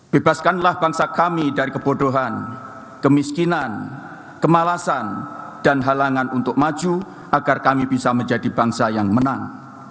bebaskanlah bangsa kami dari kebodohan kemiskinan kemalasan dan halangan untuk maju agar kami bisa menjadi bangsa yang menang